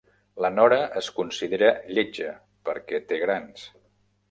La Nora es considera lletja, perquè té grans.